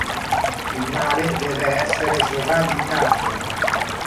Il male deve essere sradicato.